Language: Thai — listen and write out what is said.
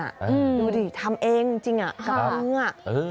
ดูดิทำเองจริงกับมืออ่ะ